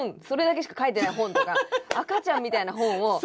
それだけしか書いてない本とか赤ちゃんみたいな本を。